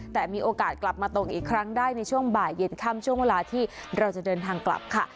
แต่มีโอกาสกลับมาตกอีกครั้งได้ในช่วงบ่ายเย็นค่ำช่วงเวลาที่เราจะเดินทางกลับค่ะ